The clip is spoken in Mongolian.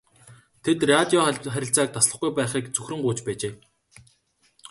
Тэд радио харилцааг таслахгүй байхыг цөхрөн гуйж байжээ.